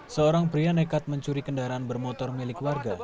seorang pria nekat mencuri kendaraan bermotor milik warga